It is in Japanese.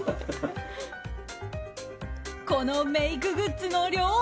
このメイクグッズの量。